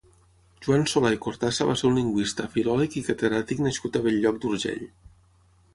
Joan Solà i Cortassa va ser un lingüista, filòleg i catedràtic nascut a Bell-lloc d'Urgell.